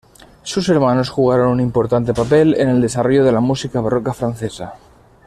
Sus hermanos jugaron un importante papel en el desarrollo de la música barroca francesa.